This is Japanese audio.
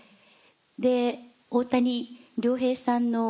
で大谷亮平さんの。